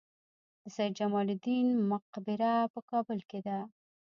د سید جمال الدین مقبره په کابل کې ده